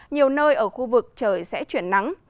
nhiều nơi ở khu vực trời sẽ chuyển nắng